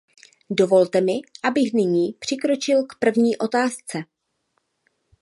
Dovolte mi, abych nyní přikročil k první otázce.